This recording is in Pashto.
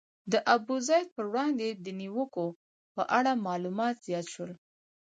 د ابوزید پر وړاندې د نیوکو په اړه معلومات زیات شول.